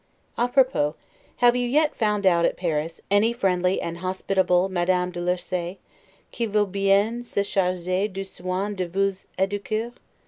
'A propos', have you yet found out at Paris, any friendly and hospitable Madame de Lursay, 'qui veut bien se charger du soin de vous eduquer'?